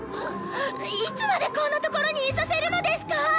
いつまでこんなところにいさせるのですか